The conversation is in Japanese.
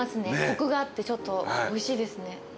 コクがあっておいしいですね。